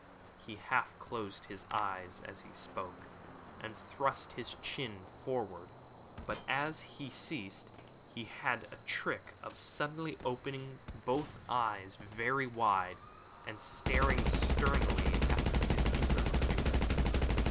He half closed his eyes as he spoke, and thrust his chin forward, but as he ceased he had a trick of suddenly opening both eyes very wide and staring sternly at his interlocutor.